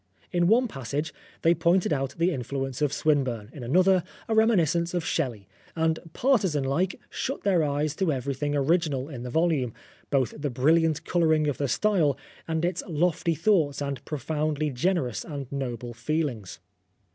In one passage they pointed out the influence of Swinburne, in another, a reminiscence of Shelley, and, partisanlike, shut their eyes to everything original in the volume, both the brilliant colouring of the style, and its lofty thoughts and profoundly generous and noble feelings.